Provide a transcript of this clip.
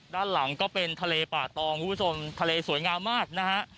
ด้านหลังก็เป็นทะเลป่าตองคุณผู้ชมทะเลสวยงามมากนะฮะ